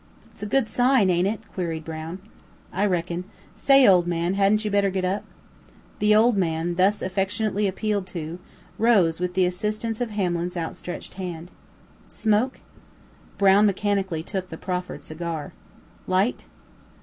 "It's a good sign, ain't it?" queried Brown. "I reckon. Say, old man, hadn't you better get up?" The "old man," thus affectionately appealed to, rose, with the assistance of Hamlin's outstretched hand. "Smoke?" Brown mechanically took the proffered cigar. "Light?"